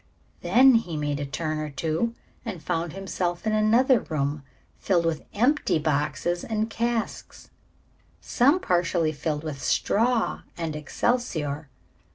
Then he made a turn or two and found himself in another room, filled with empty boxes and casks, some partly filled with straw and excelsior.